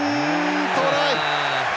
トライ。